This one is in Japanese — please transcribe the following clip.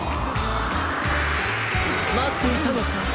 まっていたのさ